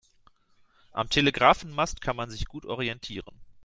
Am Telegrafenmast kann man sich gut orientieren.